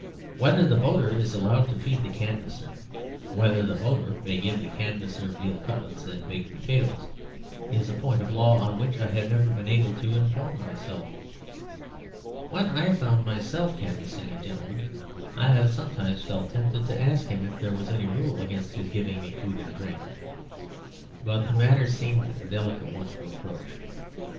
Whether the voter is allowed to feed the canvasser, whether the voter may give the canvasser veal cutlets and baked potatoes, is a point of law on which I have never been able to inform myself. When I found myself canvassing a gentleman, I have sometimes felt tempted to ask him if there was any rule against his giving me food and drink; but the matter seemed a delicate one to approach.